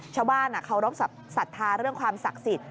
ชาวบ้านเคารพสัทธาเรื่องความศักดิ์สิทธิ